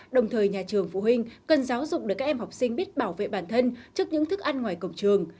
đồng thời nhà trường phụ huynh cần giáo dục để các em học sinh biết bảo vệ bản thân trước những thức ăn ngoài cổng trường